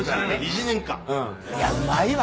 いやうまいわ。